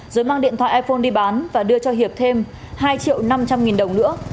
rồi mang điện thoại iphone đi bán và đưa cho hiệp thêm hai triệu năm trăm linh nghìn đồng nữa